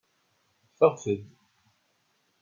Ffɣet-d.